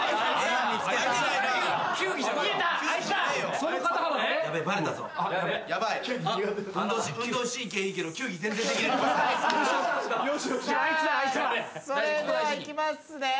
それではいきますね。